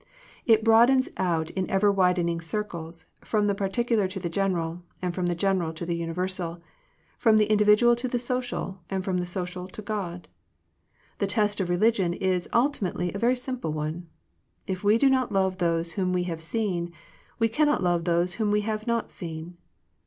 It broad ens out in ever widening circles, from the particular to the general, and from the general to the universal — from the in dividual to the social, and from the social to God. The test of religion is ultimately a very simple one. If we do not love those whom we have seen, we cannot love those whom we have not seen.